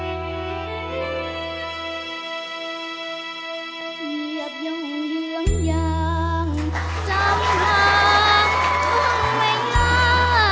เหยียบหย่องเหยื่องอย่างจำหลังความไหวง่า